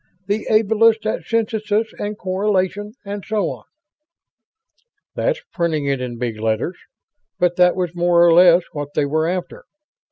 The ablest at synthesis and correlation and so on." "That's printing it in big letters, but that was more or less what they were after."